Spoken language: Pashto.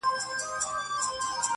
نه يوې خوا ته رهي سول ټول سرونه،